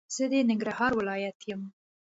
زه د ننګرهار ولايت يم